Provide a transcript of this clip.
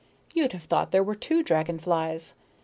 You'd have thought there were two dragon flies.